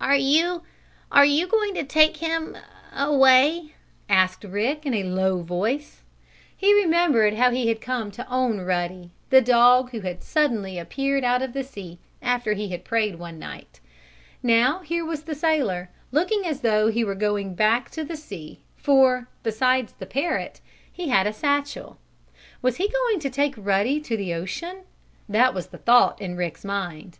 "Are you are you going to take him away?" asked Rick in a low voice. He remembered how he had come to own Ruddy the dog who had suddenly appeared out of the sea, after he had prayed one night. Now here was the sailor, looking as though he were going back to the sea, for, besides the parrot, he had a satchel. Was he going to take Ruddy to the ocean? That was the thought in Rick's mind.